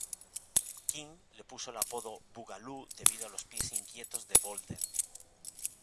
King le puso el apodo "Boogaloo" debido a los "pies inquietos" de Bolden.